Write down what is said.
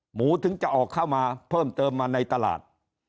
ถึงจะออกเข้ามาเพิ่มเติมมาในตลาด